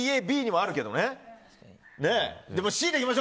Ｂ、Ａ、Ｂもあるけどね。